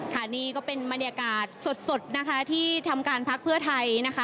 ค่ะนี่ก็เป็นบรรยากาศสดที่ทำการพักเพื่อไทย